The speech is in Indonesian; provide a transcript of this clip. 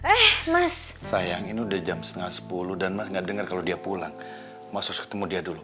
eh mas sayang ini udah jam setengah sepuluh dan mas gak denger kalau dia pulang masa ketemu dia dulu